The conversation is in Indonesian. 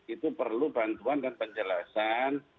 itu perlu bantuan dan penjelasan